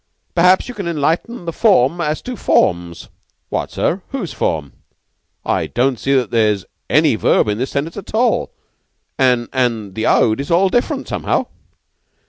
Perhaps you can enlighten the form as to formes." "What, sir! Whose form! I don't see that there's any verb in this sentence at all, an' an' the Ode is all different, somehow."